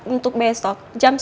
untuk besok jam sepuluh